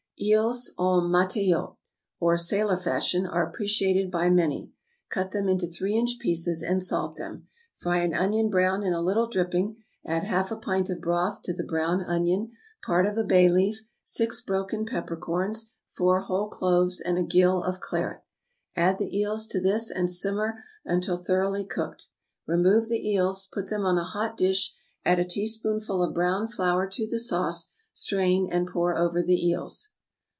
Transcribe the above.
Eels en matelotte, or sailor fashion, are appreciated by many. Cut them into three inch pieces, and salt them. Fry an onion brown in a little dripping; add half a pint of broth to the brown onion, part of a bay leaf, six broken peppercorns, four whole cloves, and a gill of claret. Add the eels to this, and simmer until thoroughly cooked. Remove the eels, put them on a hot dish, add a teaspoonful of browned flour to the sauce, strain, and pour over the eels.